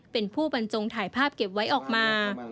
เป็นผู้บรรจงถ่ายภาพเก็บไว้ออกมา